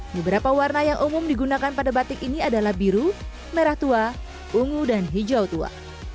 beberapa warna yang umum digunakan pada batik ini adalah biru merah tua ungu dan hijau tua